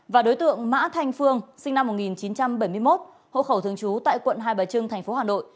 và đối tượng mã thanh phương sinh năm một nghìn chín trăm bảy mươi một hộ khẩu thương chú tại quận hai bà trưng thành phố hà nội